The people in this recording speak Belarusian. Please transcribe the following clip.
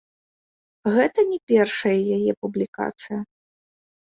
Гэта не першая яе публікацыя.